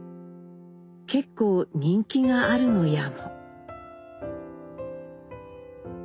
結構人気があるのやも」。